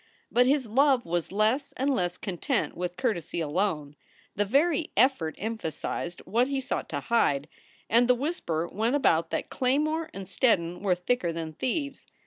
But his love was less and less content with courtesy alone. The very effort emphasized what he sought to hide, and the whisper went about that Claymore and Steddon were thicker than thieves.